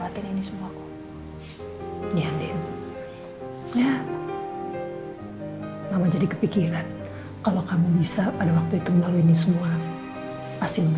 terima kasih ya